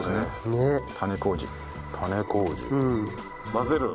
混ぜる。